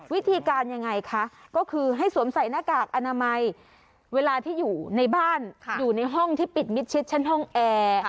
วิธีการยังไงคะก็คือให้สวมใส่หน้ากากอนามัยเวลาที่อยู่ในบ้านอยู่ในห้องที่ปิดมิดชิดชั้นห้องแอร์